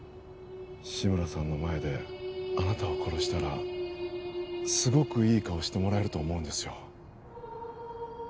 志村さんの前であなたを殺したらすごくいい顔してもらえると思うんですよ